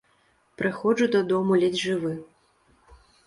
Прыходжу дадому ледзь жывы.